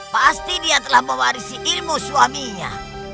pasti dia telah mewarisi ilmu suaminya